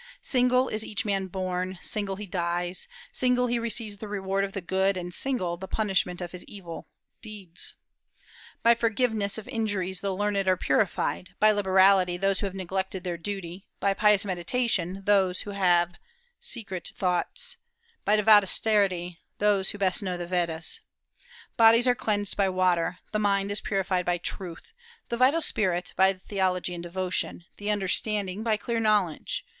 Single is each man born, single he dies, single he receives the reward of the good, and single the punishment of his evil, deeds.... By forgiveness of injuries the learned are purified; by liberality, those who have neglected their duty; by pious meditation, those who have secret thoughts; by devout austerity, those who best know the Vedas.... Bodies are cleansed by water; the mind is purified by truth; the vital spirit, by theology and devotion; the understanding, by clear knowledge....